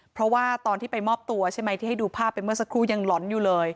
เพราะว่าตอนที่ไปมอบตัวใช่ไหมที่ให้ดูภาพไปเมื่อสักครู่ยังหลอนอยู่เลย